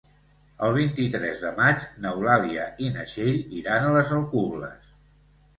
El vint-i-tres de maig n'Eulàlia i na Txell iran a les Alcubles.